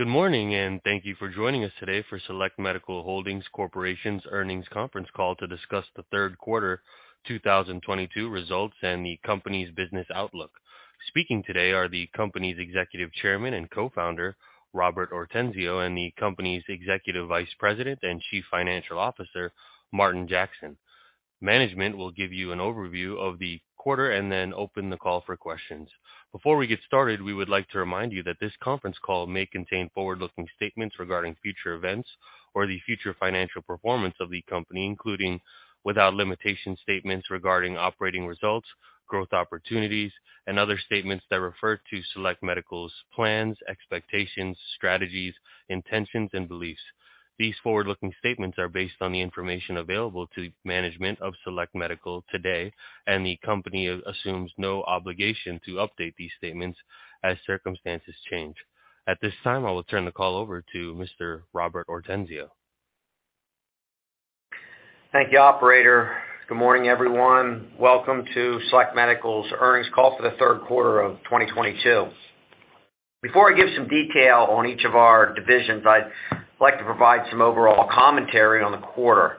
Good morning, and thank you for joining us today for Select Medical Holdings Corporation's earnings conference call to discuss the third quarter 2022 results and the company's business outlook. Speaking today are the company's Executive Chairman and Co-founder, Robert Ortenzio, and the company's Executive Vice President and Chief Financial Officer, Martin Jackson. Management will give you an overview of the quarter and then open the call for questions. Before we get started, we would like to remind you that this conference call may contain forward-looking statements regarding future events or the future financial performance of the company, including, without limitation, statements regarding operating results, growth opportunities, and other statements that refer to Select Medical's plans, expectations, strategies, intentions, and beliefs. These forward-looking statements are based on the information available to management of Select Medical to date, and the company assumes no obligation to update these statements as circumstances change. At this time, I will turn the call over to Mr. Robert Ortenzio. Thank you, operator. Good morning, everyone. Welcome to Select Medical's earnings call for the third quarter of 2022. Before I give some detail on each of our divisions, I'd like to provide some overall commentary on the quarter.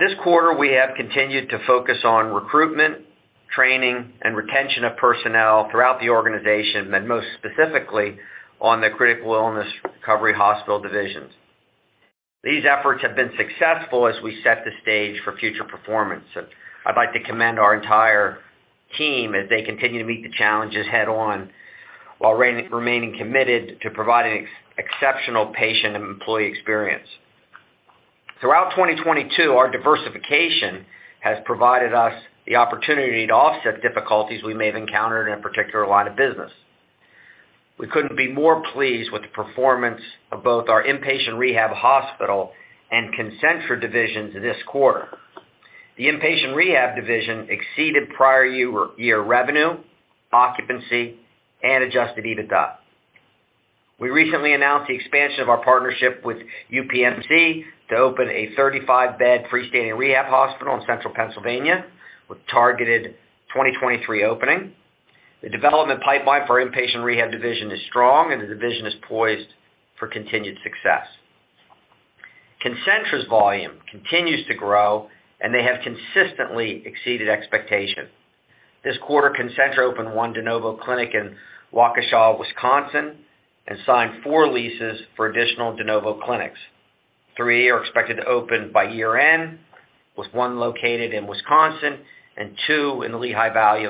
This quarter, we have continued to focus on recruitment, training, and retention of personnel throughout the organization, and most specifically on the critical illness recovery hospital divisions. These efforts have been successful as we set the stage for future performance. I'd like to commend our entire team as they continue to meet the challenges head on while remaining committed to providing exceptional patient and employee experience. Throughout 2022, our diversification has provided us the opportunity to offset difficulties we may have encountered in a particular line of business. We couldn't be more pleased with the performance of both our inpatient rehab hospital and Concentra divisions this quarter. The inpatient rehab division exceeded prior year revenue, occupancy, and adjusted EBITDA. We recently announced the expansion of our partnership with UPMC to open a 35-bed freestanding rehab hospital in central Pennsylvania with targeted 2023 opening. The development pipeline for our inpatient rehab division is strong and the division is poised for continued success. Concentra's volume continues to grow, and they have consistently exceeded expectations. This quarter, Concentra opened one de novo clinic in Waukesha, Wisconsin, and signed four leases for additional de novo clinics. Three are expected to open by year-end, with one located in Wisconsin and two in the Lehigh Valley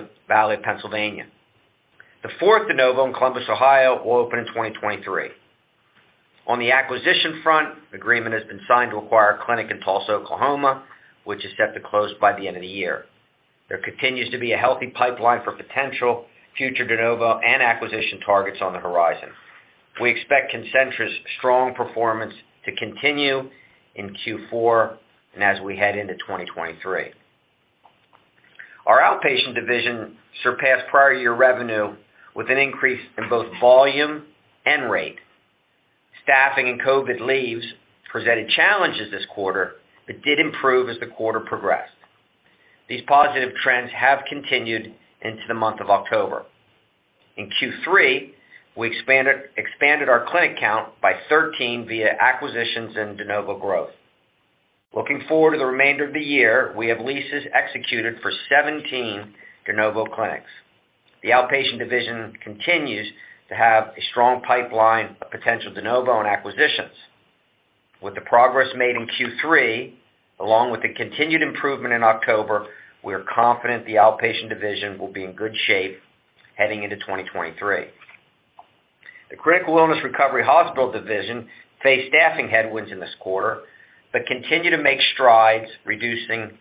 of Pennsylvania. The fourth de novo in Columbus, Ohio, will open in 2023. On the acquisition front, agreement has been signed to acquire a clinic in Tulsa, Oklahoma, which is set to close by the end of the year. There continues to be a healthy pipeline for potential future de novo and acquisition targets on the horizon. We expect Concentra's strong performance to continue in Q4 and as we head into 2023. Our outpatient division surpassed prior year revenue with an increase in both volume and rate. Staffing and COVID leaves presented challenges this quarter, but did improve as the quarter progressed. These positive trends have continued into the month of October. In Q3, we expanded our clinic count by 13 via acquisitions and de novo growth. Looking forward to the remainder of the year, we have leases executed for 17 de novo clinics. The outpatient division continues to have a strong pipeline of potential de novo and acquisitions. With the progress made in Q3, along with the continued improvement in October, we are confident the outpatient division will be in good shape heading into 2023. The critical illness recovery hospital division faced staffing headwinds in this quarter, but continue to make strides reducing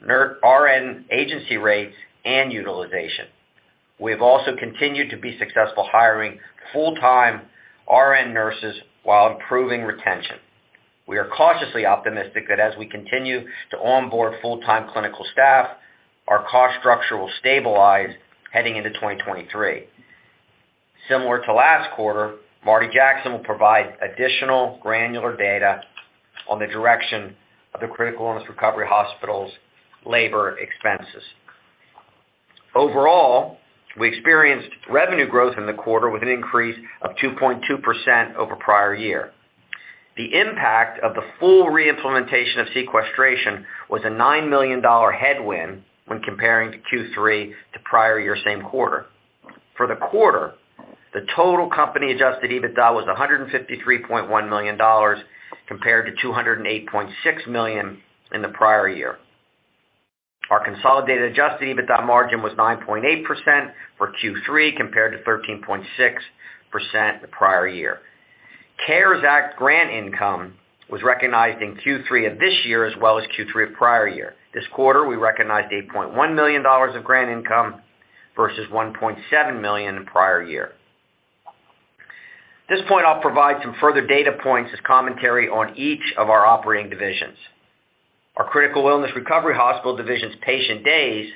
RN agency rates and utilization. We have also continued to be successful hiring full-time RN nurses while improving retention. We are cautiously optimistic that as we continue to onboard full-time clinical staff, our cost structure will stabilize heading into 2023. Similar to last quarter, Marty Jackson will provide additional granular data on the direction of the critical illness recovery hospital's labor expenses. Overall, we experienced revenue growth in the quarter with an increase of 2.2% over prior year. The impact of the full reimplementation of sequestration was a $9 million headwind when comparing to Q3 to prior year same quarter. For the quarter, the total company adjusted EBITDA was $153.1 million compared to $208.6 million in the prior year. Our consolidated adjusted EBITDA margin was 9.8% for Q3 compared to 13.6% the prior year. CARES Act grant income was recognized in Q3 of this year as well as Q3 of prior year. This quarter, we recognized $8.1 million of grant income versus $1.7 million in prior year. At this point, I'll provide some further data points as commentary on each of our operating divisions. Our critical illness recovery hospital division's patient days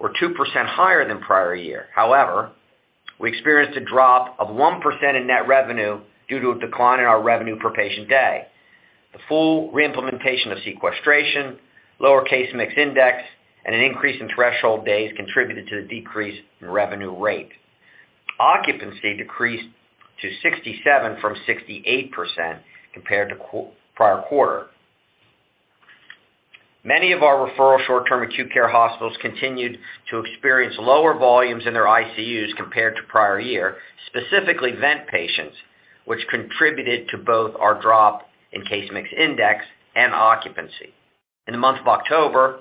were 2% higher than prior year. However, we experienced a drop of 1% in net revenue due to a decline in our revenue per patient day. The full re-implementation of sequestration, lower case mix index, and an increase in threshold days contributed to the decrease in revenue rate. Occupancy decreased to 67% from 68% compared to prior quarter. Many of our referral short-term acute care hospitals continued to experience lower volumes in their ICUs compared to prior year, specifically vent patients, which contributed to both our drop in case mix index and occupancy. In the month of October,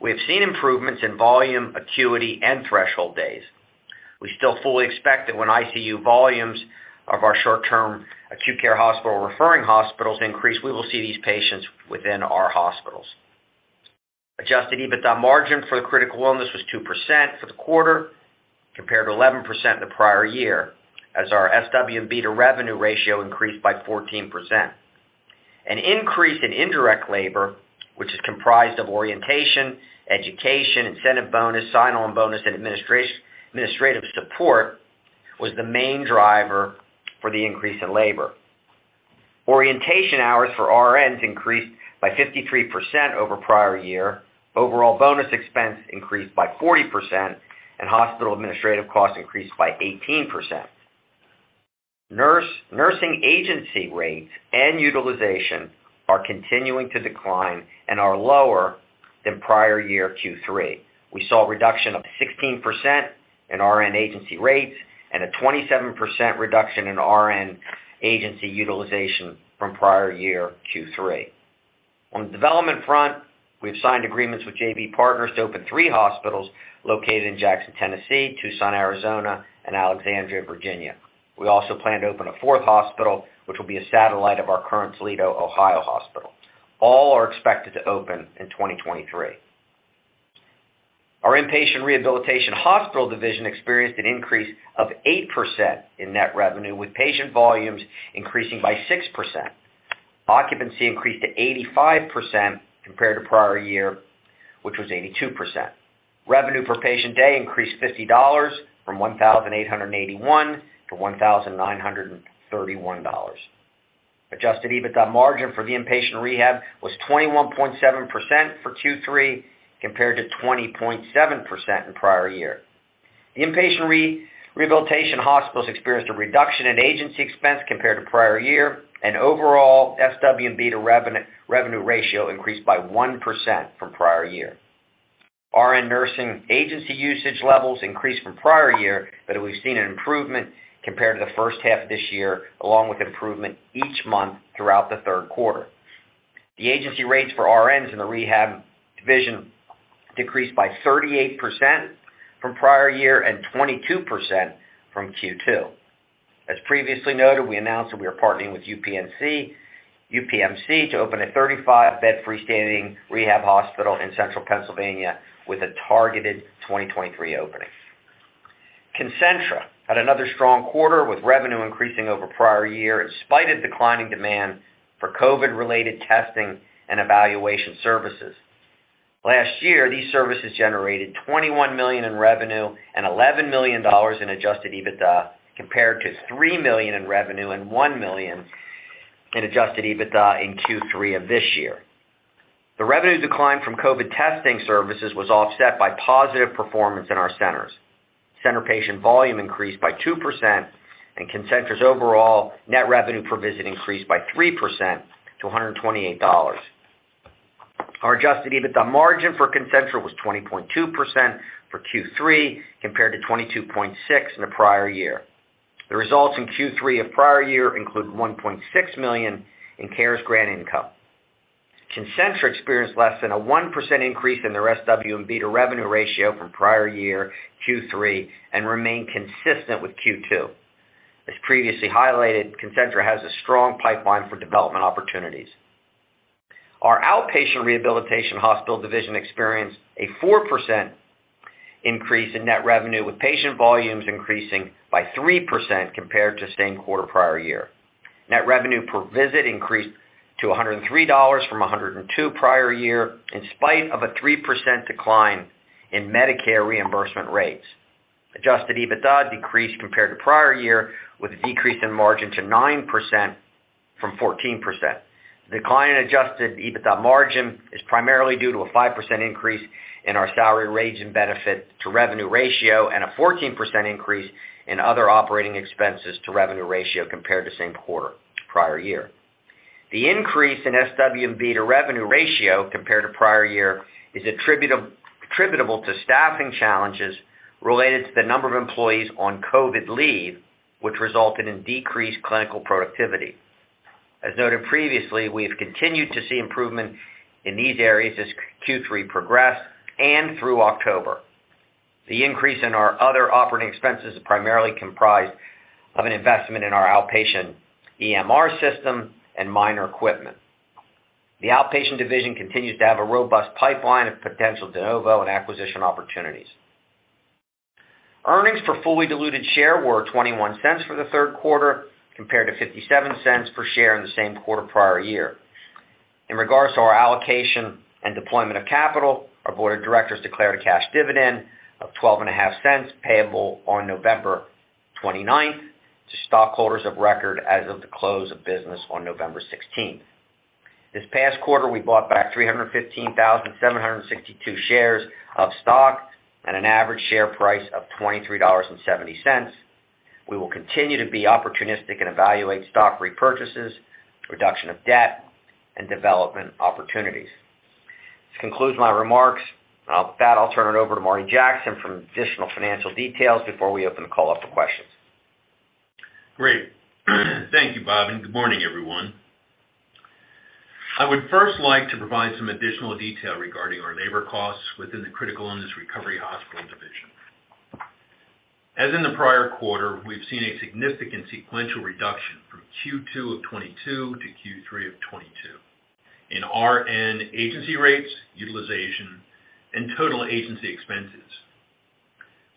we have seen improvements in volume, acuity, and threshold days. We still fully expect that when ICU volumes of our short-term acute care hospital referring hospitals increase, we will see these patients within our hospitals. Adjusted EBITDA margin for the critical illness was 2% for the quarter, compared to 11% in the prior year, as our SWB to revenue ratio increased by 14%. An increase in indirect labor, which is comprised of orientation, education, incentive bonus, sign-on bonus, and administrative support, was the main driver for the increase in labor. Orientation hours for RNs increased by 53% over prior year, overall bonus expense increased by 40%, and hospital administrative costs increased by 18%. Nursing agency rates and utilization are continuing to decline and are lower than prior year Q3. We saw a reduction of 16% in RN agency rates and a 27% reduction in RN agency utilization from prior year Q3. On the development front, we have signed agreements with JV Partners to open three hospitals located in Jackson, Tennessee, Tucson, Arizona, and Alexandria, Virginia. We also plan to open a fourth hospital, which will be a satellite of our current Toledo, Ohio hospital. All are expected to open in 2023. Our inpatient rehabilitation hospital division experienced an increase of 8% in net revenue, with patient volumes increasing by 6%. Occupancy increased to 85% compared to prior year, which was 82%. Revenue per patient day increased $50 from $1,881 to $1,931. Adjusted EBITDA margin for the inpatient rehab was 21.7% for Q3, compared to 20.7% in prior year. The inpatient rehabilitation hospitals experienced a reduction in agency expense compared to prior year, and overall SWB to revenue ratio increased by 1% from prior year. RN nursing agency usage levels increased from prior year, but we've seen an improvement compared to the first half of this year, along with improvement each month throughout the third quarter. The agency rates for RNs in the rehab division decreased by 38% from prior year and 22% from Q2. As previously noted, we announced that we are partnering with UPMC to open a 35-bed freestanding rehab hospital in central Pennsylvania with a targeted 2023 opening. Concentra had another strong quarter with revenue increasing over prior year in spite of declining demand for COVID-related testing and evaluation services. Last year, these services generated $21 million in revenue and $11 million in adjusted EBITDA, compared to $3 million in revenue and $1 million in adjusted EBITDA in Q3 of this year. The revenue decline from COVID testing services was offset by positive performance in our centers. Centers patient volume increased by 2%, and Concentra's overall net revenue per visit increased by 3% to $128. Our adjusted EBITDA margin for Concentra was 20.2% for Q3, compared to 22.6% in the prior year. The results in Q3 of prior year include $1.6 million in CARES grant income. Concentra experienced less than a 1% increase in their SWB to revenue ratio from prior year Q3 and remained consistent with Q2. As previously highlighted, Concentra has a strong pipeline for development opportunities. Our outpatient rehabilitation hospital division experienced a 4% increase in net revenue, with patient volumes increasing by 3% compared to same quarter prior year. Net revenue per visit increased to $103 from $102 prior year, in spite of a 3% decline in Medicare reimbursement rates. Adjusted EBITDA decreased compared to prior year, with a decrease in margin to 9% from 14%. The decline in adjusted EBITDA margin is primarily due to a 5% increase in our salary rates and benefit to revenue ratio and a 14% increase in other operating expenses to revenue ratio compared to same quarter prior year. The increase in SWB to revenue ratio compared to prior year is attributable to staffing challenges related to the number of employees on COVID leave, which resulted in decreased clinical productivity. As noted previously, we have continued to see improvement in these areas as Q3 progressed and through October. The increase in our other operating expenses is primarily comprised of an investment in our outpatient EMR system and minor equipment. The outpatient division continues to have a robust pipeline of potential de novo and acquisition opportunities. Earnings per fully diluted share were $0.21 for the third quarter, compared to $0.57 per share in the same quarter prior year. In regards to our allocation and deployment of capital, our board of directors declared a cash dividend of $0.125 payable on November 29th, to stockholders of record as of the close of business on November 16th. This past quarter, we bought back 315,762 shares of stock at an average share price of $23.70. We will continue to be opportunistic and evaluate stock repurchases, reduction of debt, and development opportunities. This concludes my remarks, and with that, I'll turn it over to Marty Jackson for additional financial details before we open the call up for questions. Great. Thank you, Rob, and good morning, everyone. I would first like to provide some additional detail regarding our labor costs within the Critical Illness Recovery Hospital division. As in the prior quarter, we've seen a significant sequential reduction from Q2 of 2022 to Q3 of 2022 in RN agency rates, utilization, and total agency expenses.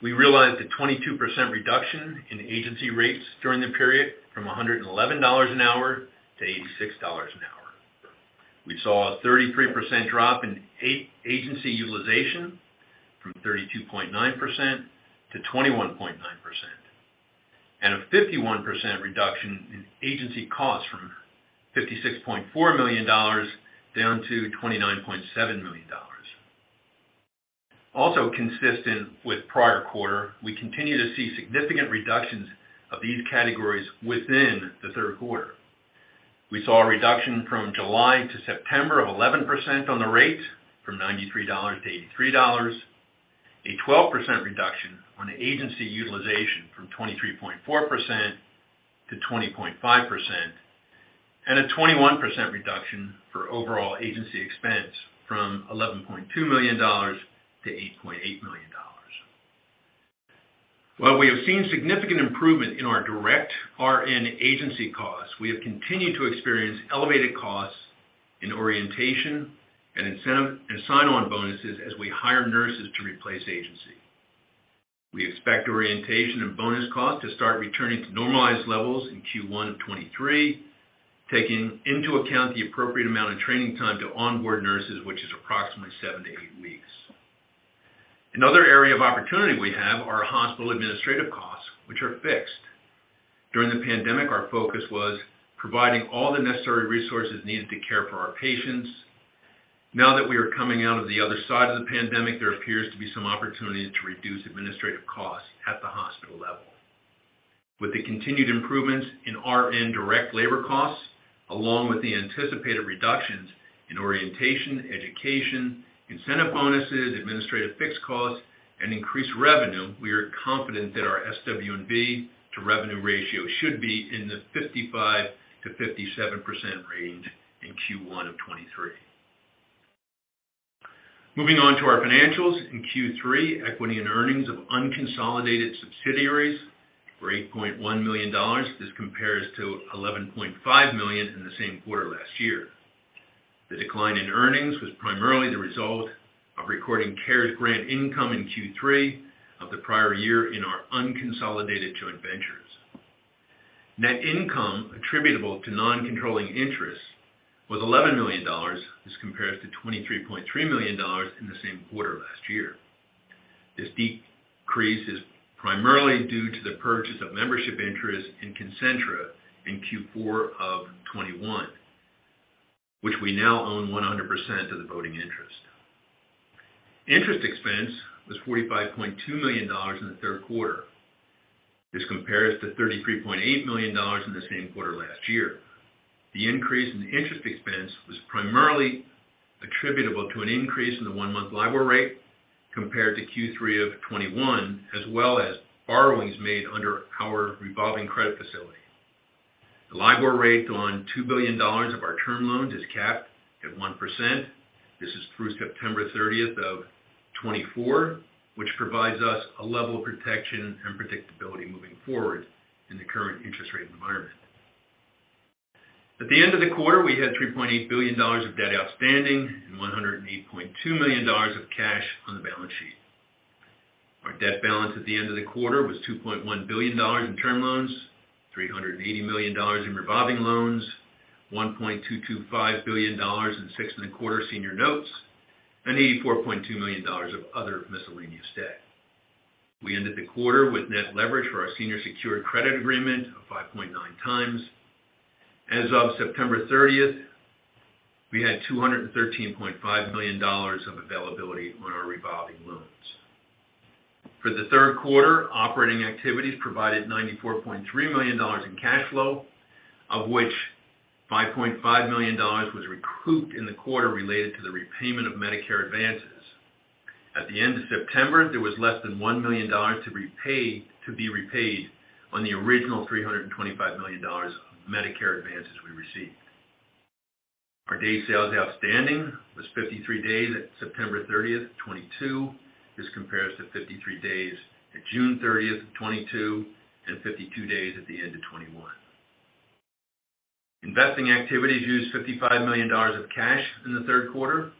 We realized a 22% reduction in agency rates during the period, from $111 an hour to $86 an hour. We saw a 33% drop in agency utilization from 32.9%-21.9%, and a 51% reduction in agency costs from $56.4 million down to $29.7 million. Also consistent with prior quarter, we continue to see significant reductions of these categories within the third quarter. We saw a reduction from July to September of 11% on the rate from $93 to $83, a 12% reduction on agency utilization from 23.4% to 20.5%, and a 21% reduction for overall agency expense from $11.2 million to $8.8 million. While we have seen significant improvement in our direct RN agency costs, we have continued to experience elevated costs in orientation and incentive and sign-on bonuses as we hire nurses to replace agency. We expect orientation and bonus costs to start returning to normalized levels in Q1 of 2023, taking into account the appropriate amount of training time to onboard nurses, which is approximately 7-8 weeks. Another area of opportunity we have are hospital administrative costs, which are fixed. During the pandemic, our focus was providing all the necessary resources needed to care for our patients. Now that we are coming out of the other side of the pandemic, there appears to be some opportunity to reduce administrative costs at the hospital level. With the continued improvements in RN direct labor costs, along with the anticipated reductions in orientation, education, incentive bonuses, administrative fixed costs, and increased revenue, we are confident that our SWB to revenue ratio should be in the 55%-57% range in Q1 of 2023. Moving on to our financials. In Q3, equity and earnings of unconsolidated subsidiaries were $8.1 million. This compares to $11.5 million in the same quarter last year. The decline in earnings was primarily the result of recording CARES Grant income in Q3 of the prior year in our unconsolidated joint ventures. Net income attributable to non-controlling interests was $11 million. This compares to $23.3 million in the same quarter last year. This decrease is primarily due to the purchase of membership interest in Concentra in Q4 of 2021, which we now own 100% of the voting interest. Interest expense was $45.2 million in the third quarter. This compares to $33.8 million in the same quarter last year. The increase in interest expense was primarily attributable to an increase in the one-month LIBOR rate compared to Q3 of 2021, as well as borrowings made under our revolving credit facility. The LIBOR rate on $2 billion of our term loans is capped at 1%. This is through September 30, 2024, which provides us a level of protection and predictability moving forward in the current interest rate environment. At the end of the quarter, we had $3.8 billion of debt outstanding and $108.2 million of cash on the balance sheet. Our debt balance at the end of the quarter was $2.1 billion in term loans, $380 million in revolving loans, $1.225 billion in 6.25 senior notes, and $84.2 million of other miscellaneous debt. We ended the quarter with net leverage for our senior secured credit agreement of 5.9x. As of September thirtieth, we had $213.5 million of availability on our revolving loans. For the third quarter, operating activities provided $94.3 million in cash flow, of which $5.5 million was recouped in the quarter related to the repayment of Medicare advances. At the end of September, there was less than $1 million to be repaid on the original $325 million of Medicare advances we received. Our days sales outstanding was 53 days at September 30, 2022. This compares to 53 days at June 30, 2022 and 52 days at the end of 2021. Investing activities used $55 million of cash in the third quarter.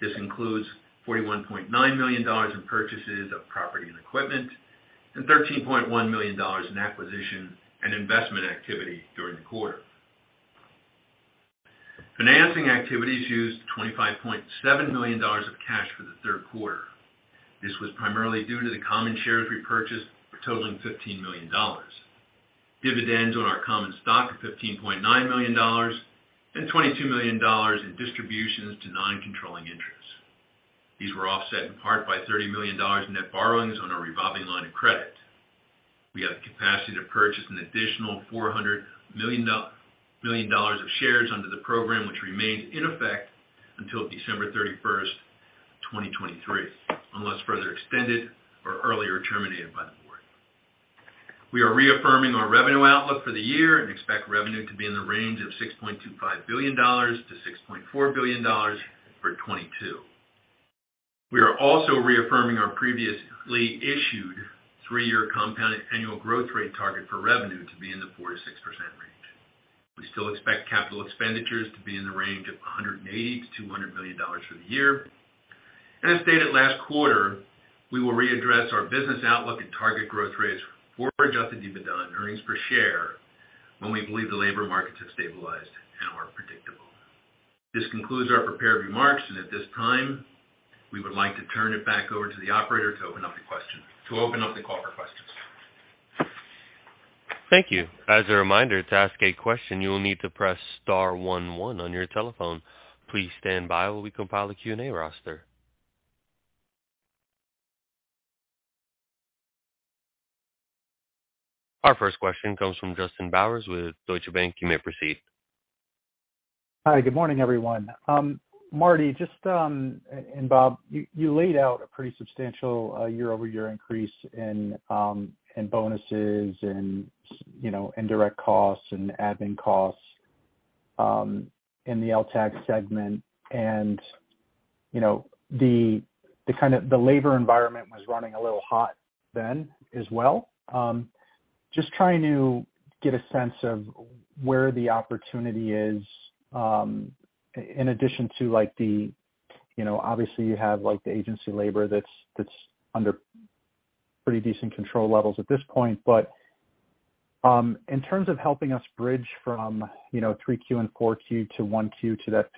This includes $41.9 million in purchases of property and equipment and $13.1 million in acquisition and investment activity during the quarter. Financing activities used $25.7 million of cash for the third quarter. This was primarily due to the common shares repurchased totaling $15 million, dividends on our common stock of $15.9 million, and $22 million in distributions to non-controlling interests. These were offset in part by $30 million in net borrowings on our revolving line of credit. We have the capacity to purchase an additional $400 million dollars of shares under the program, which remains in effect until December 31, 2023, unless further extended or earlier terminated by the board. We are reaffirming our revenue outlook for the year and expect revenue to be in the range of $6.25 billion-$6.4 billion for 2022. We are also reaffirming our previously issued three-year compounded annual growth rate target for revenue to be in the 4%-6% range. We still expect capital expenditures to be in the range of $180 million-$200 million for the year. As stated last quarter, we will readdress our business outlook and target growth rates for adjusted EBITDA and earnings per share when we believe the labor markets have stabilized and are predictable. This concludes our prepared remarks, and at this time, we would like to turn it back over to the operator to open up the call for questions. Thank you. As a reminder, to ask a question, you will need to press star one one on your telephone. Please stand by while we compile a Q&A roster. Our first question comes from Justin Bowers with Deutsche Bank. You may proceed. Hi. Good morning, everyone. Marty, just and Bob, you laid out a pretty substantial year-over-year increase in bonuses and, you know, indirect costs and admin costs in the LTAC segment. You know, the labor environment was running a little hot then as well. Just trying to get a sense of where the opportunity is in addition to, like, the, you know, obviously you have, like, the agency labor that's under pretty decent control levels at this point in terms of helping us bridge from, you know, 3Q and 4Q to 1Q to that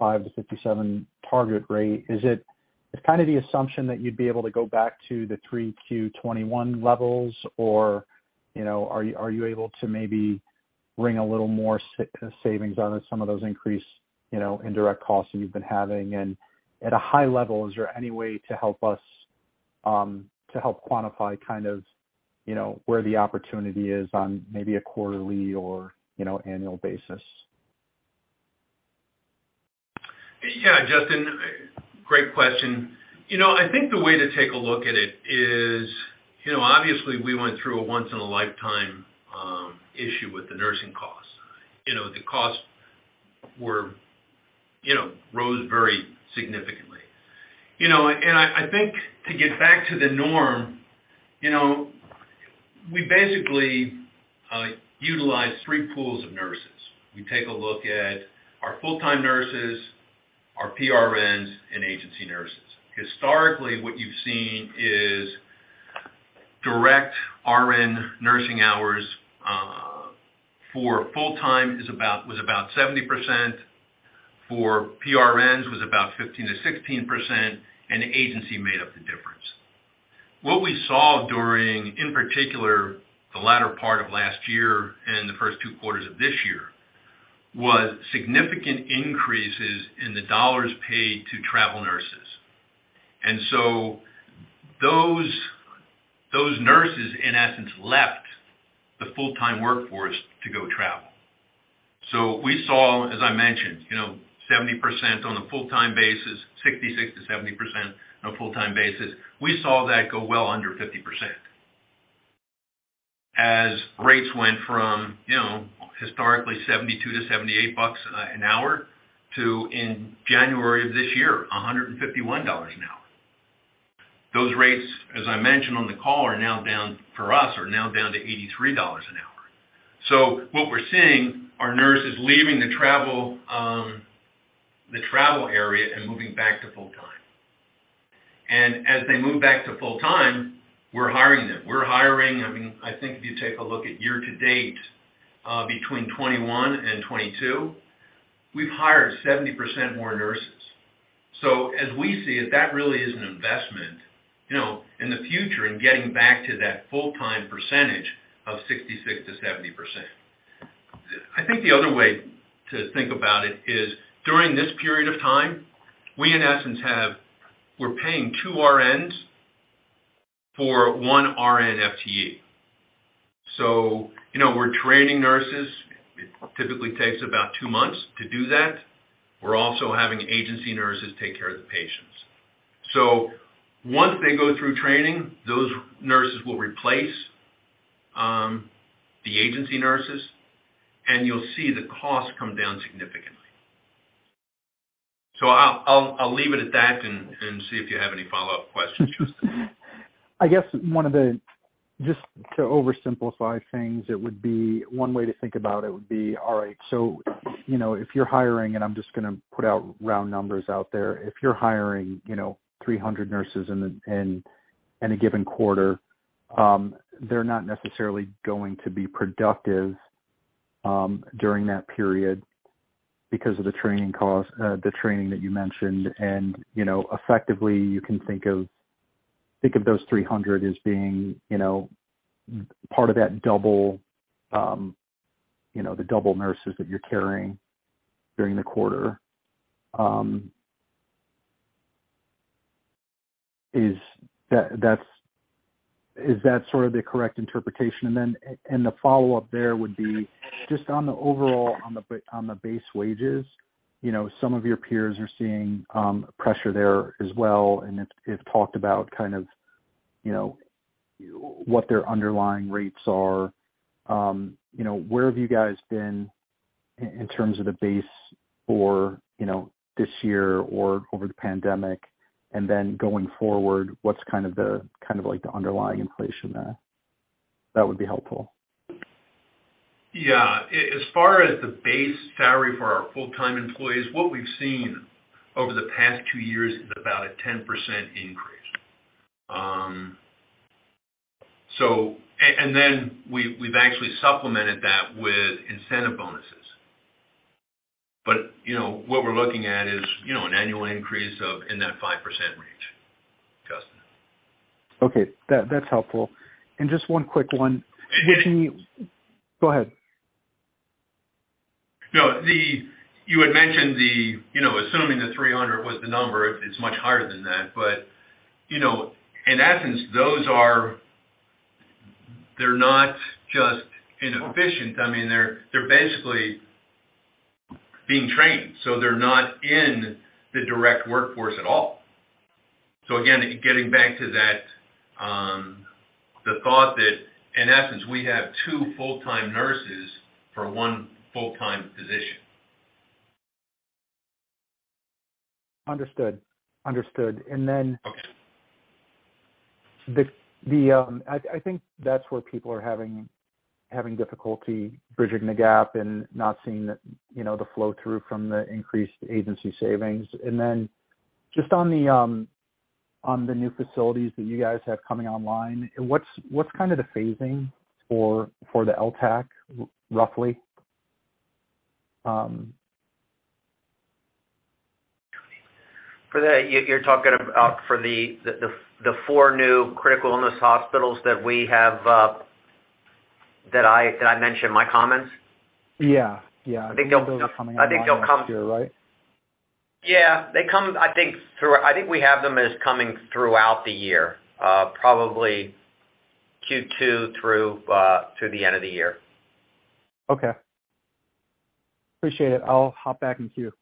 55-57 target rate, is it's kind of the assumption that you'd be able to go back to the 3Q 2021 levels or, you know, are you able to maybe wring a little more savings out of some of those increased, you know, indirect costs that you've been having? At a high level, is there any way to help us to help quantify kind of, you know, where the opportunity is on maybe a quarterly or, you know, annual basis? Yeah, Justin, great question. You know, I think the way to take a look at it is, you know, obviously we went through a once in a lifetime issue with the nursing costs. You know, the costs were, you know, rose very significantly. You know, I think to get back to the norm, you know, we basically utilize three pools of nurses. We take a look at our full-time nurses, our PRNs, and agency nurses. Historically, what you've seen is direct RN nursing hours for full-time is about was about 70%, for PRNs was about 15%-16%, and agency made up the difference. What we saw during, in particular, the latter part of last year and the first two quarters of this year, was significant increases in the dollars paid to travel nurses. Those nurses, in essence, left the full-time workforce to go travel. We saw, as I mentioned, you know, 70% on a full-time basis, 66%-70% on a full-time basis. We saw that go well under 50%. As rates went from, you know, historically $72-$78 an hour to, in January of this year, $151 an hour. Those rates, as I mentioned on the call, are now down, for us, are now down to $83 an hour. What we're seeing are nurses leaving the travel, the travel area and moving back to full-time. As they move back to full-time, we're hiring them. We're hiring, I mean, I think if you take a look at year to date, between 2021 and 2022, we've hired 70% more nurses. As we see it, that really is an investment, you know, in the future in getting back to that full-time percentage of 66%-70%. I think the other way to think about it is during this period of time, we're paying two RNs for one RN FTE. You know, we're training nurses. It typically takes about two months to do that. We're also having agency nurses take care of the patients. Once they go through training, those nurses will replace the agency nurses, and you'll see the cost come down significantly. I'll leave it at that and see if you have any follow-up questions, Justin. I guess one of the, just to oversimplify things, it would be one way to think about it, all right, so, you know, if you're hiring, and I'm just gonna put out round numbers out there, if you're hiring, you know, 300 nurses in a given quarter, they're not necessarily going to be productive during that period because of the training cost, the training that you mentioned. You know, effectively, you can think of those 300 as being, you know, part of that double, you know, the double nurses that you're carrying during the quarter. Is that sort of the correct interpretation? The follow-up there would be just on the overall, on the base wages. You know, some of your peers are seeing pressure there as well, and it's talked about kind of, you know, what their underlying rates are. You know, where have you guys been in terms of the base for, you know, this year or over the pandemic? Then going forward, what's kind of like the underlying inflation there? That would be helpful. Yeah. As far as the base salary for our full-time employees, what we've seen over the past two years is about a 10% increase. Then we've actually supplemented that with incentive bonuses. You know, what we're looking at is, you know, an annual increase in that 5% range, Justin. Okay. That's helpful. Just one quick one. Yeah. Go ahead. No. You had mentioned the, you know, assuming the 300 was the number, it's much higher than that. You know, in essence, those are, they're not just inefficient. I mean, they're basically being trained, so they're not in the direct workforce at all. Again, getting back to that, the thought that in essence, we have two full-time nurses for one full-time position. Understood. Okay. I think that's where people are having difficulty bridging the gap and not seeing, you know, the flow through from the increased agency savings. Just on the new facilities that you guys have coming online, what's kind of the phasing for the LTAC roughly? For that, you're talking about the four new critical illness hospitals that we have, that I mentioned in my comments? Yeah, yeah. I think they'll. Those are coming online next year, right? I think we have them as coming throughout the year, probably Q2 through the end of the year. Okay. Appreciate it. I'll hop back in queue.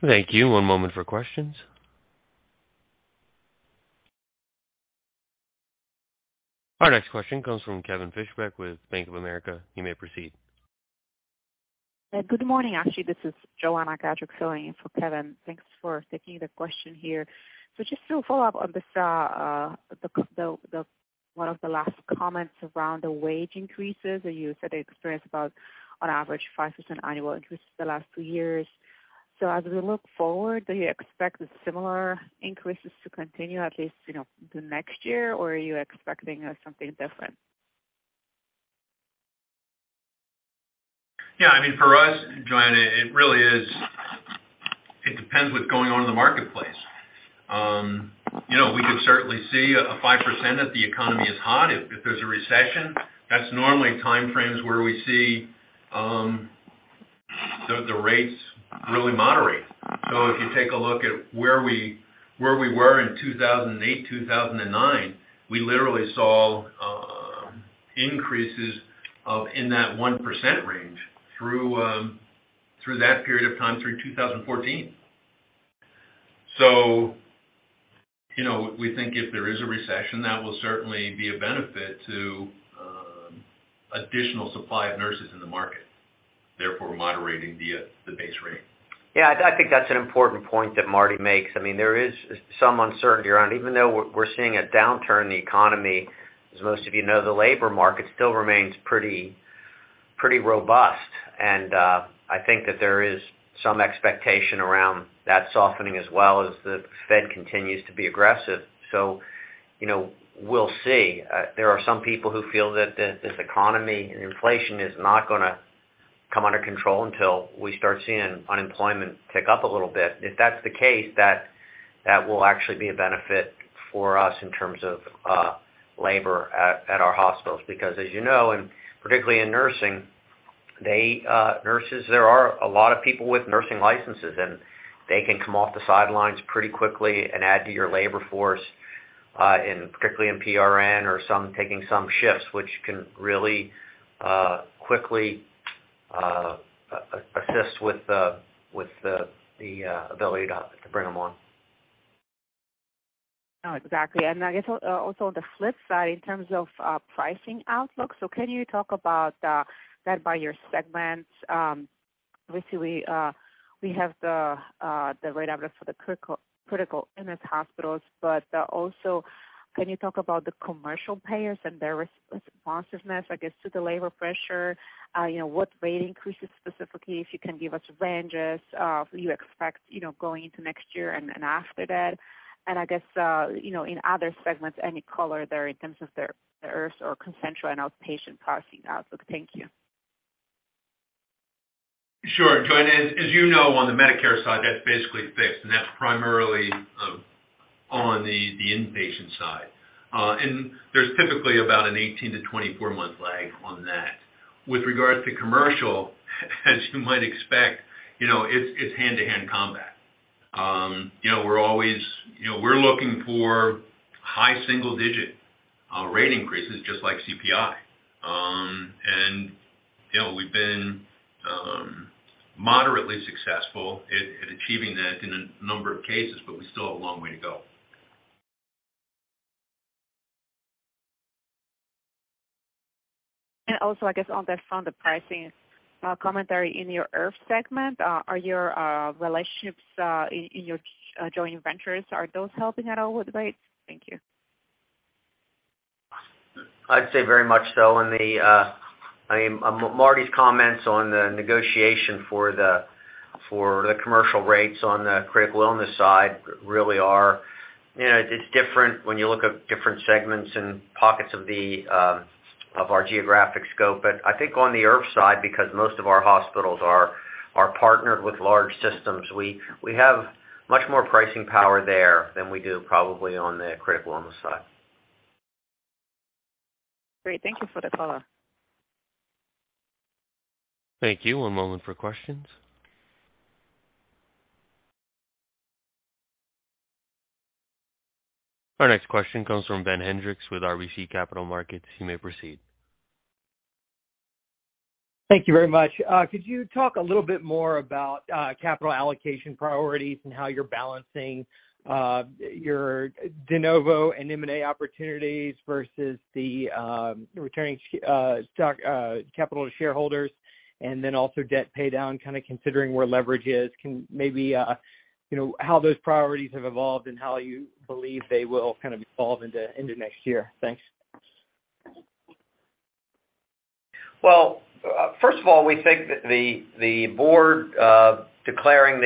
Thank you. One moment for questions. Our next question comes from Kevin Fischbeck with Bank of America. You may proceed. Good morning. Actually, this is Joanna Gajuk filling in for Kevin. Thanks for taking the question here. Just to follow up on this, the one of the last comments around the wage increases, you said experienced about on average 5% annual increases the last two years. As we look forward, do you expect the similar increases to continue, at least, you know, the next year? Or are you expecting something different? Yeah. I mean, for us, Joanna, it really is. It depends what's going on in the marketplace. You know, we could certainly see a 5% if the economy is hot. If there's a recession, that's normally time frames where we see the rates really moderate. If you take a look at where we were in 2008, 2009, we literally saw increases in that 1% range through that period of time, through 2014. You know, we think if there is a recession, that will certainly be a benefit to additional supply of nurses in the market, therefore moderating the base rate. Yeah, I think that's an important point that Marty makes. I mean, there is some uncertainty around. Even though we're seeing a downturn in the economy, as most of you know, the labor market still remains pretty robust. I think that there is some expectation around that softening as well as the Fed continues to be aggressive. You know, we'll see. There are some people who feel that this economy and inflation is not gonna come under control until we start seeing unemployment tick up a little bit. If that's the case, that will actually be a benefit for us in terms of labor at our hospitals. Because as you know, and particularly in nursing, they, nurses, there are a lot of people with nursing licenses, and they can come off the sidelines pretty quickly and add to your labor force, in particularly in PRN or some taking some shifts, which can really quickly assist with the ability to bring them on. Oh, exactly. I guess also on the flip side, in terms of pricing outlook, can you talk about led by your segments. Obviously, we have the average rate for the critical illness hospitals. Also, can you talk about the commercial payers and their responsiveness, I guess, to the labor pressure? You know, what rate increases specifically, if you can give us ranges do you expect, you know, going into next year and after that? I guess, you know, in other segments, any color there in terms of their IRF or Concentra and outpatient pricing outlook. Thank you. Sure. Joanna, as you know, on the Medicare side, that's basically fixed, and that's primarily on the inpatient side. There's typically about an 18- to 24-month lag on that. With regards to commercial, as you might expect, you know, it's hand-to-hand combat. You know, we're always you know, we're looking for high single-digit rate increases just like CPI. You know, we've been moderately successful at achieving that in a number of cases, but we still have a long way to go. Also I guess on that front, the pricing commentary in your IRF segment, are your relationships in your joint ventures, are those helping at all with rates? Thank you. I'd say very much so. The I mean, Marty's comments on the negotiation for the commercial rates on the critical illness side really are. You know, it's different when you look at different segments and pockets of the of our geographic scope. I think on the IRF side, because most of our hospitals are partnered with large systems, we have much more pricing power there than we do probably on the critical illness side. Great. Thank you for the color. Thank you. One moment for questions. Our next question comes from Ben Hendrix with RBC Capital Markets. You may proceed. Thank you very much. Could you talk a little bit more about capital allocation priorities and how you're balancing your de novo and M&A opportunities versus the returning stock capital to shareholders and then also debt pay down, kind of considering where leverage is? Can maybe you know how those priorities have evolved and how you believe they will kind of evolve into next year? Thanks. Well, first of all, we think that the board declaring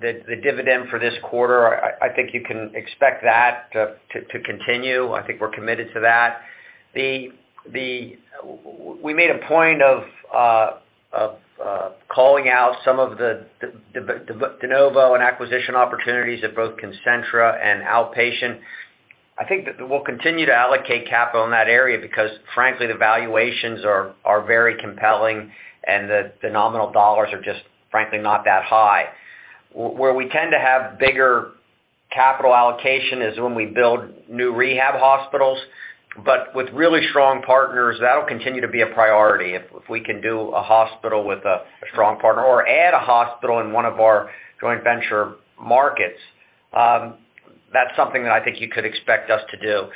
the dividend for this quarter, I think you can expect that to continue. I think we're committed to that. We made a point of calling out some of the de novo and acquisition opportunities at both Concentra and Outpatient. I think that we'll continue to allocate capital in that area because frankly, the valuations are very compelling and the nominal dollars are just, frankly, not that high. Where we tend to have bigger capital allocation is when we build new rehab hospitals, but with really strong partners, that'll continue to be a priority. If we can do a hospital with a strong partner or add a hospital in one of our joint venture markets, that's something that I think you could expect us to do.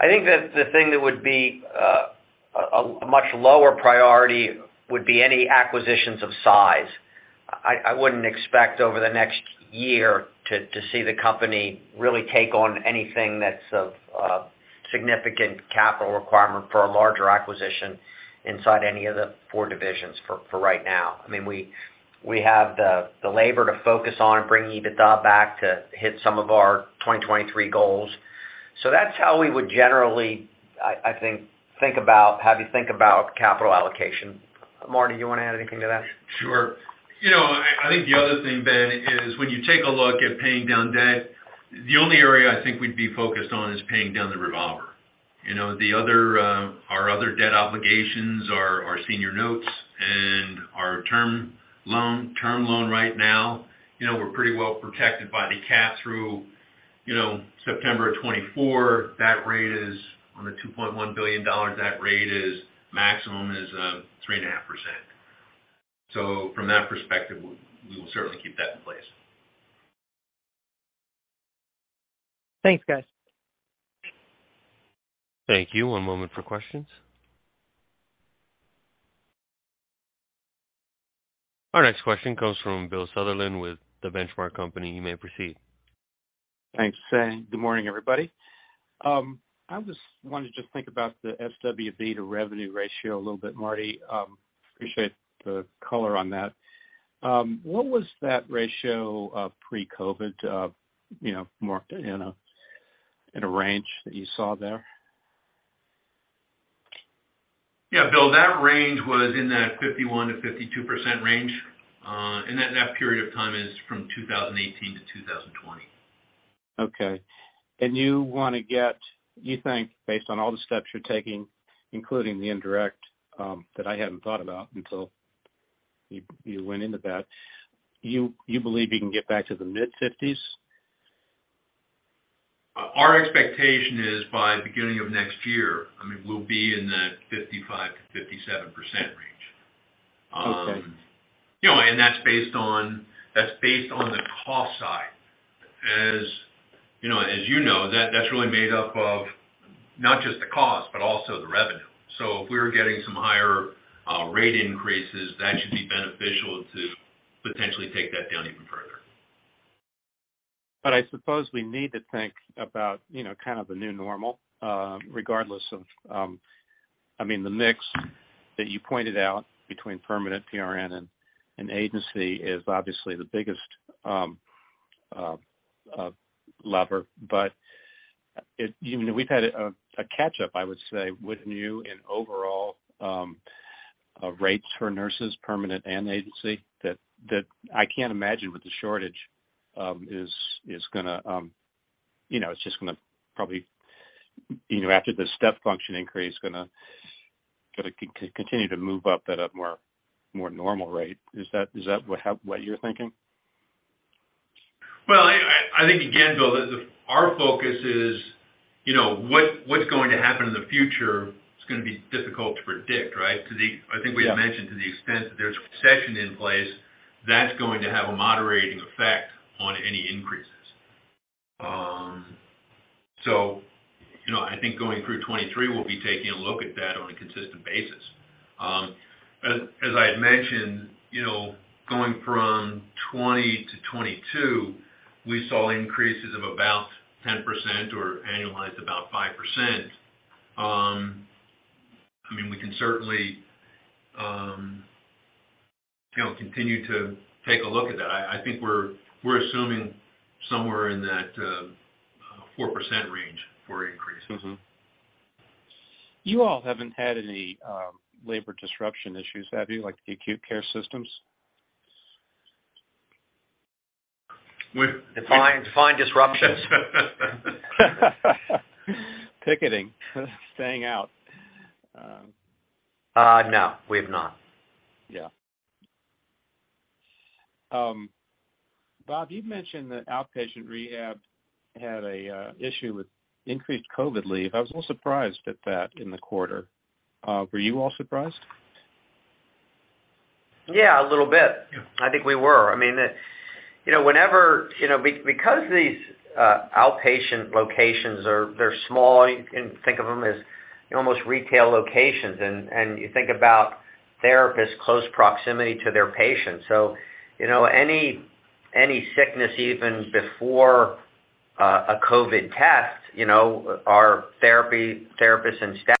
I think that the thing that would be a much lower priority would be any acquisitions of size. I wouldn't expect over the next year to see the company really take on anything that's of significant capital requirement for a larger acquisition inside any of the four divisions for right now. I mean, we have the labor to focus on and bring EBITDA back to hit some of our 2023 goals. That's how we would generally, I think, have you think about capital allocation. Marty, you wanna add anything to that? Sure. You know, I think the other thing, Ben, is when you take a look at paying down debt, the only area I think we'd be focused on is paying down the revolver. You know, the other, our other debt obligations are our senior notes and our term loan right now. You know, we're pretty well protected by the cap through, you know, September of 2024. That rate is on the $2.1 billion, that rate is maximum is 3.5%. From that perspective, we will certainly keep that in place. Thanks, guys. Thank you. One moment for questions. Our next question comes from Bill Sutherland with The Benchmark Company. You may proceed. Thanks. Good morning, everybody. I just wanted to think about the SWB to revenue ratio a little bit, Marty. Appreciate the color on that. What was that ratio of pre-COVID, you know, marked in a range that you saw there? Yeah. Bill, that range was in that 51%-52% range. That period of time is from 2018 to 2020. Okay. You wanna get, you think based on all the steps you're taking, including the indirect, that I hadn't thought about until you went into that, you believe you can get back to the mid-fifties? Our expectation is by beginning of next year, I mean, we'll be in that 55%-57% range. Okay. You know, that's based on the cost side. As you know, that's really made up of not just the cost, but also the revenue. If we were getting some higher rate increases, that should be beneficial to potentially take that down even further. I suppose we need to think about, you know, kind of a new normal, regardless of. I mean, the mix that you pointed out between permanent PRN and agency is obviously the biggest lever. We've had a catch up, I would say, with new and overall rates for nurses, permanent and agency, that I can't imagine with the shortage is gonna, you know, it's just gonna probably, you know, after the step function increase, gonna continue to move up at a more normal rate. Is that what you're thinking? Well, I think, again, Bill, our focus is, you know, what's going to happen in the future is gonna be difficult to predict, right? Yeah. I think we had mentioned to the extent that there's recession in place, that's going to have a moderating effect on any increases. You know, I think going through 2023, we'll be taking a look at that on a consistent basis. As I had mentioned, you know, going from 2020 to 2022, we saw increases of about 10% or annualized about 5%. I mean, we can certainly, you know, continue to take a look at that. I think we're assuming somewhere in that 4% range for increases. You all haven't had any labor disruption issues, have you? Like the acute care systems. We've- Define disruption. Picketing, staying out. No, we have not. Yeah. Rob, you've mentioned that outpatient rehab had an issue with increased COVID leave. I was a little surprised at that in the quarter. Were you all surprised? Yeah, a little bit. I think we were. I mean, you know, whenever, you know, because these outpatient locations are, they're small, and you can think of them as almost retail locations, and you think about therapists close proximity to their patients. You know, any sickness even before a COVID test, you know, our therapy therapists and staff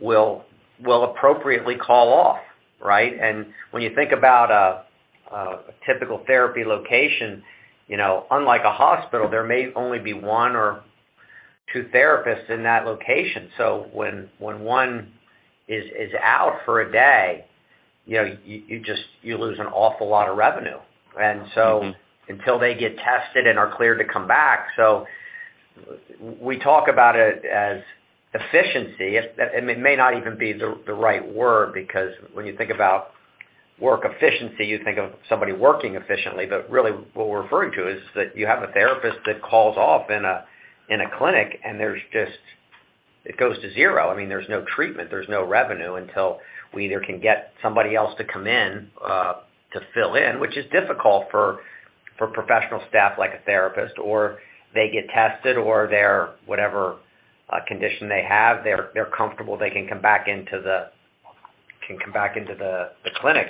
will appropriately call off, right? When you think about a typical therapy location, you know, unlike a hospital, there may only be one or two therapists in that location. When one is out for a day, you know, you just lose an awful lot of revenue. And so Until they get tested and are cleared to come back. We talk about it as efficiency. It may not even be the right word, because when you think about work efficiency, you think of somebody working efficiently. Really what we're referring to is that you have a therapist that calls off in a clinic, and there's just it goes to zero. I mean, there's no treatment, there's no revenue until we either can get somebody else to come in to fill in, which is difficult for professional staff like a therapist, or they get tested or their whatever condition they have, they're comfortable they can come back into the clinic.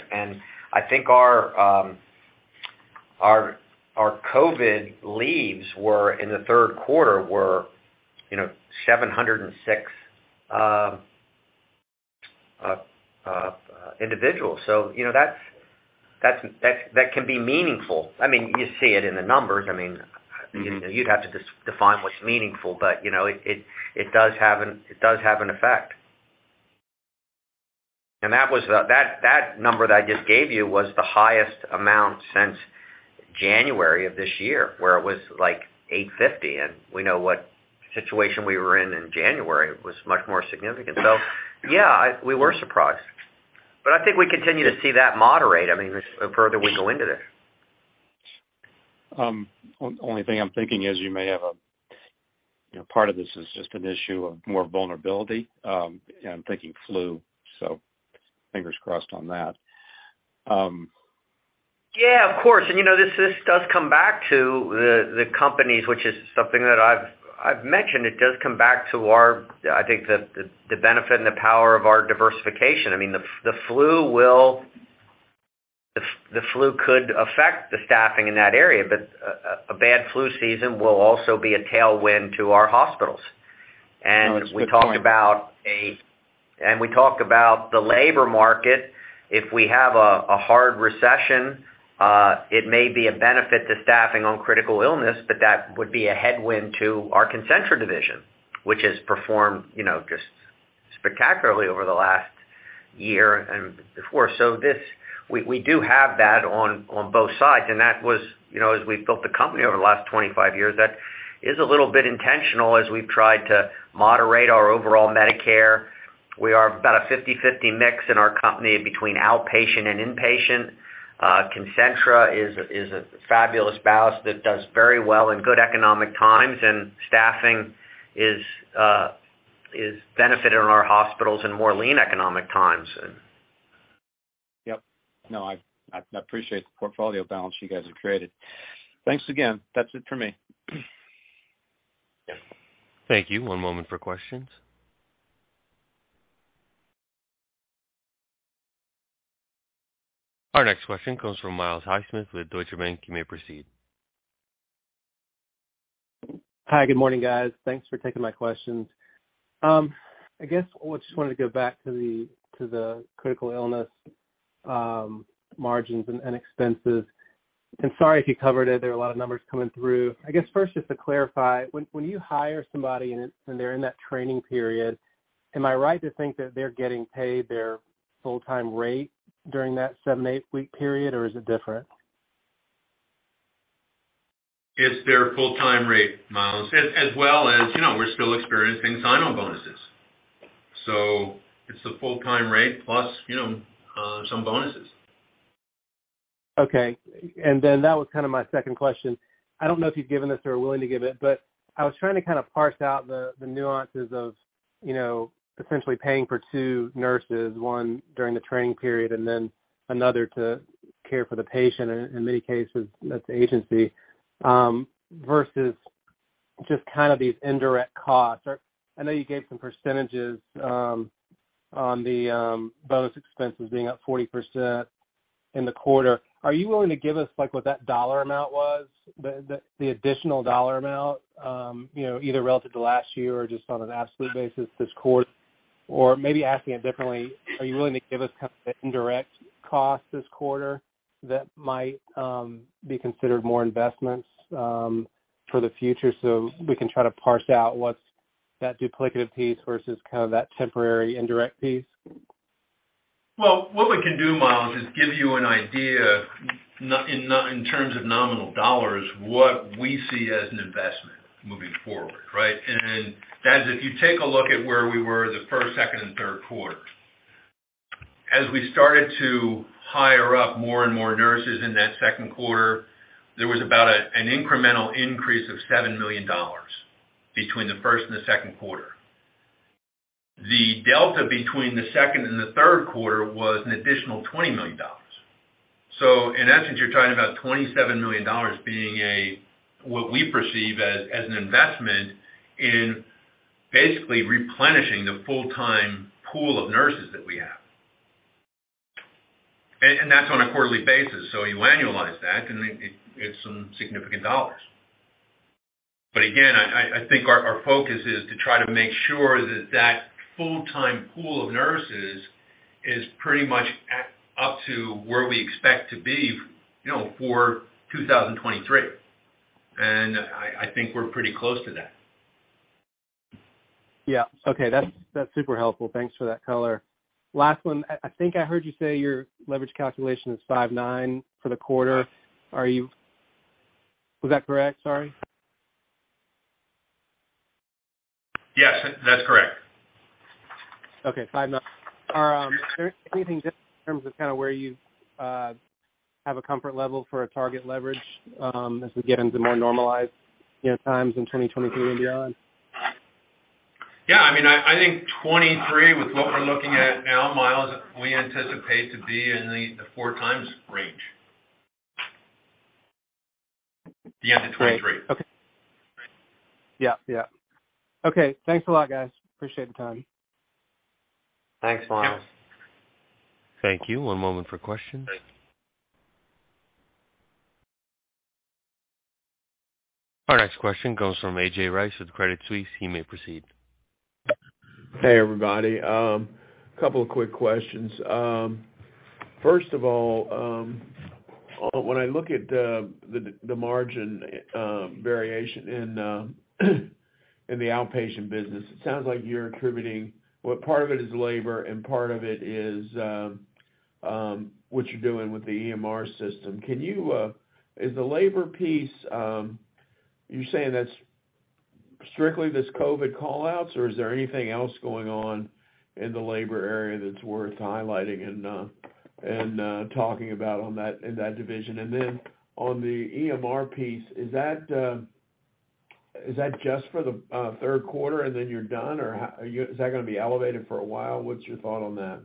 I think our COVID leaves were in the third quarter, you know, 706 individuals. So, you know, that can be meaningful. I mean, you see it in the numbers. I mean You'd have to define what's meaningful, but, you know, it does have an effect. That number that I just gave you was the highest amount since January of this year, where it was, like, 850, and we know what situation we were in January. It was much more significant. Yeah, we were surprised. I think we continue to see that moderate, I mean, the further we go into this. Only thing I'm thinking is you may have a, you know, part of this is just an issue of more vulnerability, and I'm thinking flu, so fingers crossed on that. Yeah, of course. You know this does come back to the companies, which is something that I've mentioned. It does come back to our, I think the benefit and the power of our diversification. I mean, the flu could affect the staffing in that area, but a bad flu season will also be a tailwind to our hospitals. Oh, that's a good point. We talk about the labor market. If we have a hard recession, it may be a benefit to staffing on critical illness, but that would be a headwind to our Concentra division, which has performed, you know, just spectacularly over the last year and before. We do have that on both sides, and that was, you know, as we've built the company over the last 25 years, that is a little bit intentional as we've tried to moderate our overall Medicare. We are about a 50/50 mix in our company between outpatient and inpatient. Concentra is a fabulous balance that does very well in good economic times, and staffing is benefiting our hospitals in more lean economic times. Yep. No, I appreciate the portfolio balance you guys have created. Thanks again. That's it for me. Yeah. Thank you. One moment for questions. Our next question comes from Miles Highsmith with Deutsche Bank. You may proceed. Hi, good morning, guys. Thanks for taking my questions. I guess just wanted to go back to the critical illness margins and expenses. Sorry if you covered it, there were a lot of numbers coming through. I guess first just to clarify, when you hire somebody when they're in that training period, am I right to think that they're getting paid their full-time rate during that 7-8-week period or is it different? It's their full-time rate, Miles, as well as, you know, we're still experiencing sign-on bonuses. It's the full-time rate plus, you know, some bonuses. Okay. That was kinda my second question. I don't know if you've given this or are willing to give it, but I was trying to kind of parse out the nuances of, you know, essentially paying for two nurses, one during the training period, and then another to care for the patient, in many cases, that's the agency, versus just kind of these indirect costs. I know you gave some percentages on the bonus expenses being up 40% in the quarter. Are you willing to give us, like, what that dollar amount was, the additional dollar amount, you know, either relative to last year or just on an absolute basis this quarter? Maybe asking it differently, are you willing to give us kind of the indirect costs this quarter that might be considered more investments for the future so we can try to parse out what's that duplicative piece versus kind of that temporary indirect piece? Well, what we can do, Miles, is give you an idea in terms of nominal dollars, what we see as an investment moving forward, right? If you take a look at where we were the first, second and third quarter. As we started to hire up more and more nurses in that second quarter, there was about an incremental increase of $7 million between the first and the second quarter. The delta between the second and the third quarter was an additional $20 million. In essence, you're talking about $27 million being what we perceive as an investment in basically replenishing the full-time pool of nurses that we have. That's on a quarterly basis. You annualize that, and it's some significant dollars. Again, I think our focus is to try to make sure that full-time pool of nurses is pretty much up to where we expect to be, you know, for 2023. I think we're pretty close to that. Yeah. Okay. That's super helpful. Thanks for that color. Last one. I think I heard you say your leverage calculation is 5.9 for the quarter. Was that correct? Sorry. Yes, that's correct. Okay, 5-9. Is there anything just in terms of kinda where you have a comfort level for a target leverage, as we get into more normalized, you know, times in 2023 and beyond? Yeah. I mean, I think 2023 with what we're looking at now, Miles, we anticipate to be in the four times range. The end of 2023. Great. Okay. Yeah. Yeah. Okay. Thanks a lot, guys. Appreciate the time. Thanks, Miles. Thank you. One moment for questions. Thank you. Our next question comes from A.J. Rice with Credit Suisse. You may proceed. Hey, everybody. Couple of quick questions. First of all, when I look at the margin variation in the outpatient business, it sounds like you're attributing what part of it is labor and part of it is what you're doing with the EMR system. Is the labor piece you're saying that's strictly this COVID call-outs, or is there anything else going on in the labor area that's worth highlighting and talking about on that, in that division? And then on the EMR piece, is that just for the third quarter, and then you're done or is that gonna be elevated for a while? What's your thought on that?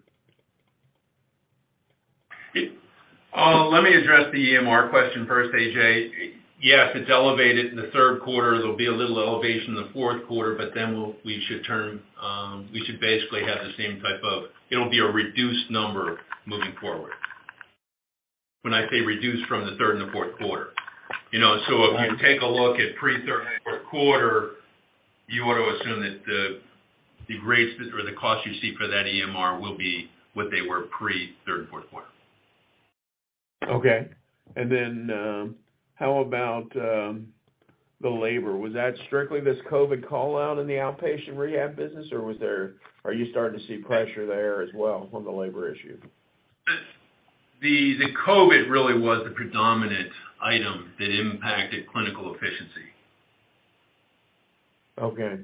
Let me address the EMR question first, A.J. Yes, it's elevated in the third quarter. There'll be a little elevation in the fourth quarter, but then we should turn. We should basically have the same type of, it'll be a reduced number moving forward. When I say reduced from the third and the fourth quarter. You know, so if you take a look at pre-third and fourth quarter, you ought to assume that the rates or the cost you see for that EMR will be what they were pre-third and fourth quarter. How about the labor? Was that strictly this COVID call-out in the outpatient rehab business, or are you starting to see pressure there as well on the labor issue? The COVID really was the predominant item that impacted clinical efficiency. Okay.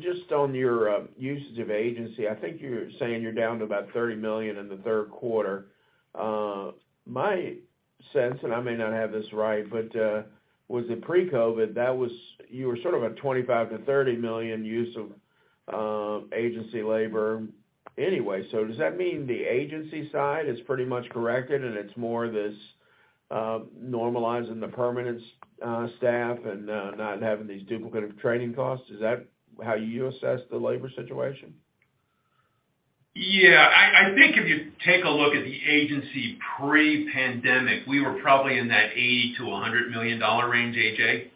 Just on your usage of agency, I think you're saying you're down to about $30 million in the third quarter. My sense, and I may not have this right, but was it pre-COVID? You were sort of a $25 million-$30 million use of agency labor anyway. So does that mean the agency side is pretty much corrected and it's more this normalizing the permanent staff and not having these duplicate training costs? Is that how you assess the labor situation? Yeah. I think if you take a look at the agency pre-pandemic, we were probably in that $80 million-$100 million range, A.J.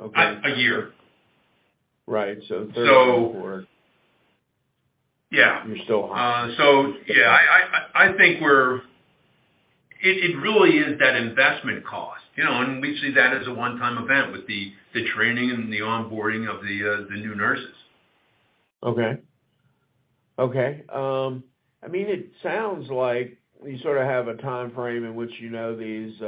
Okay. A year. Right. Third quarter. Yeah. You're still high. Yeah. I think it really is that investment cost, you know, and we see that as a one-time event with the training and the onboarding of the new nurses. Okay. I mean, it sounds like you sort of have a timeframe in which you know these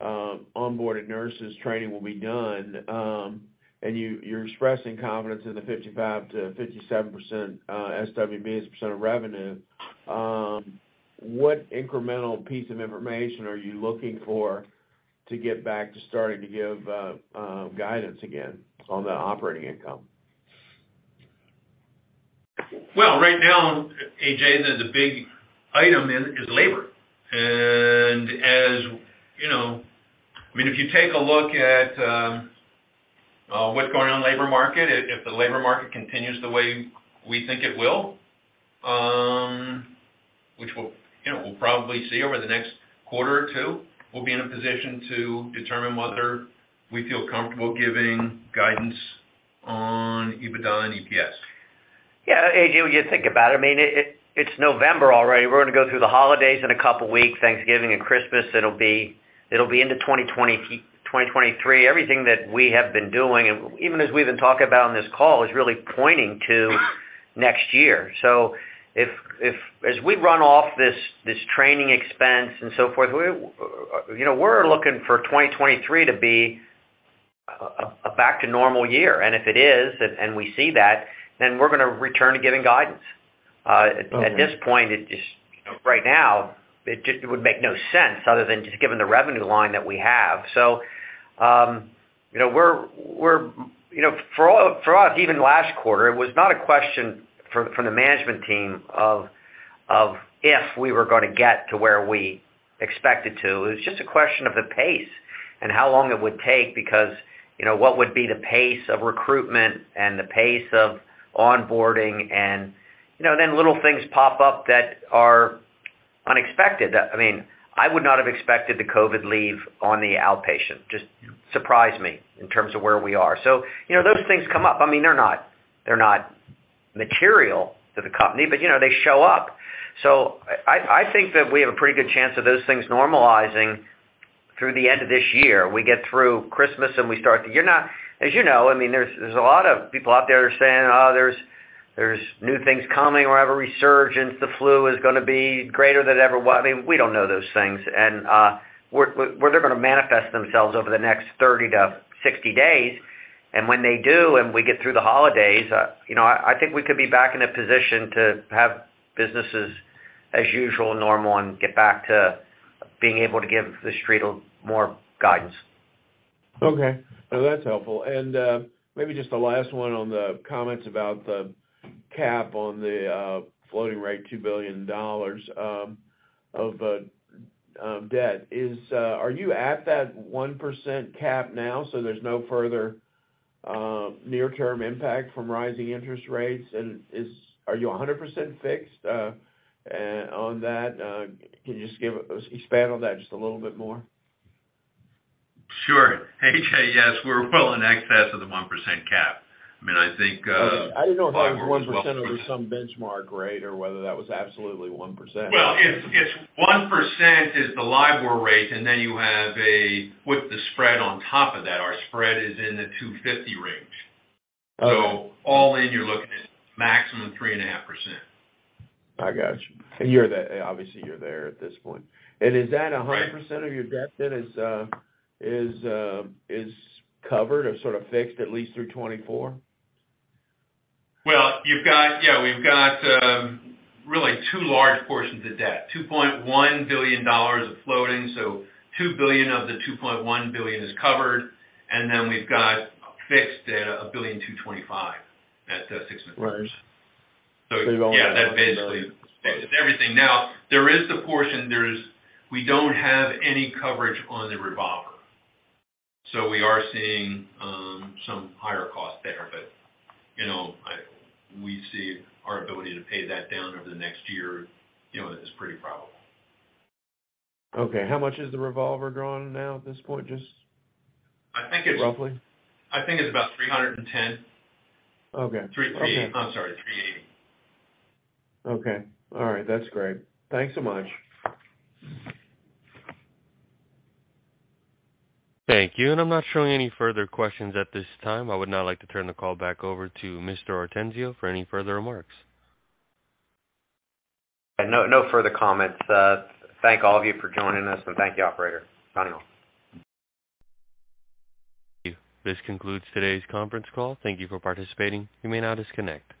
onboarded nurses training will be done, and you're expressing confidence in the 55%-57% SWB as a percent of revenue. What incremental piece of information are you looking for to get back to starting to give guidance again on the operating income? Well, right now, A.J., the big item is labor. As you know, I mean, if you take a look at what's going on in labor market, if the labor market continues the way we think it will, which we'll, you know, probably see over the next quarter or two, we'll be in a position to determine whether we feel comfortable giving guidance on EBITDA and EPS. Yeah. AJ, when you think about it, I mean, it's November already. We're gonna go through the holidays in a couple weeks, Thanksgiving and Christmas. It'll be into 2023. Everything that we have been doing, even as we talk about on this call, is really pointing to next year. If as we run off this training expense and so forth, you know, we're looking for 2023 to be a back to normal year. If it is, and we see that, then we're gonna return to giving guidance. Okay. At this point, you know, right now, it would make no sense other than just given the revenue line that we have. You know, we're, you know, for us, even last quarter, it was not a question from the management team of if we were gonna get to where we expected to. It was just a question of the pace and how long it would take because, you know, what would be the pace of recruitment and the pace of onboarding and, you know, then little things pop up that are unexpected. I mean, I would not have expected the COVID leave on the outpatient. Just surprised me in terms of where we are. You know, those things come up. I mean, they're not material to the company, but you know, they show up. I think that we have a pretty good chance of those things normalizing through the end of this year. We get through Christmas. As you know, I mean, there's a lot of people out there saying, "Oh, there's new things coming. We'll have a resurgence. The flu is gonna be greater than ever." Well, I mean, we don't know those things. They're gonna manifest themselves over the next 30-60 days. When they do, and we get through the holidays, you know, I think we could be back in a position to have businesses as usual, normal, and get back to being able to give The Street more guidance. Okay. No, that's helpful. Maybe just the last one on the comments about the cap on the floating rate $2 billion of debt. Are you at that 1% cap now, so there's no further near term impact from rising interest rates, and are you 100% fixed on that? Can you just expand on that just a little bit more? Sure. A.J., yes, we're well in excess of the 1% cap. I mean, I think. I didn't know if that was 1% over some benchmark rate or whether that was absolutely 1%. Well, it's 1% is the LIBOR rate, and then you have with the spread on top of that. Our spread is in the 250 range. Okay. All in, you're looking at maximum 3.5%. I got you. You're obviously there at this point. Is that 100% of your debt then is covered or sort of fixed at least through 2024? Well, yeah. We've got really two large portions of debt, $2.1 billion of floating, so $2 billion of the $2.1 billion is covered. Then we've got fixed debt of $1.225 billion at 6.5%. Right. Yeah, that basically is everything. Now, there is the portion. We don't have any coverage on the revolver. We are seeing some higher costs there. You know, we see our ability to pay that down over the next year, you know, as pretty probable. Okay. How much is the revolver drawing now at this point? I think it's. Roughly? I think it's about 310. Okay. I'm sorry, 380. Okay. All right. That's great. Thanks so much. Thank you. I'm not showing any further questions at this time. I would now like to turn the call back over to Mr. Ortenzio for any further remarks. No, no further comments. Thank all of you for joining us, and thank you, operator. Signing off. Thank you. This concludes today's conference call. Thank you for participating. You may now disconnect.